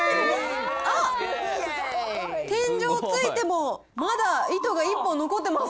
天井ついてもまだ糸が１本残ってます。